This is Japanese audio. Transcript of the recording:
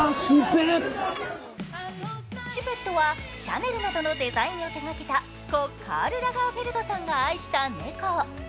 シュペットはシャネルなどのデザインを手がけた故カール・ラガーフェルドさんが愛した猫。